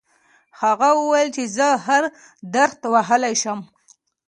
هغه وویل چې زه هر درخت وهلی شم.